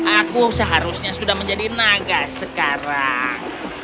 aku seharusnya sudah menjadi naga sekarang